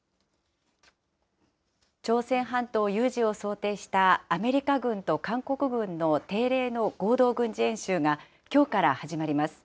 朝鮮半島有事を想定したアメリカ軍と韓国軍の定例の合同軍事演習がきょうから始まります。